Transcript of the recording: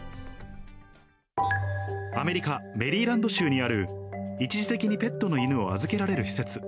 アメリカ・メリーランド州にある一時的にペットの犬を預けられる施設。